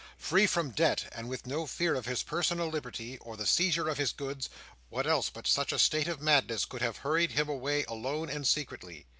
Free from debt, and with no fear for his personal liberty, or the seizure of his goods, what else but such a state of madness could have hurried him away alone and secretly?